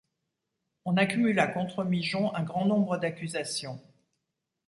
On accumula contre Migeon un grand nombre d'accusations.